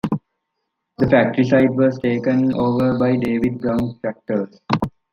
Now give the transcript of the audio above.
The factory site was taken over by David Brown Tractors.